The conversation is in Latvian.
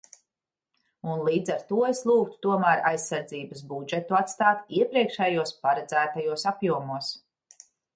Un līdz ar to es lūgtu tomēr aizsardzības budžetu atstāt iepriekšējos paredzētajos apjomos.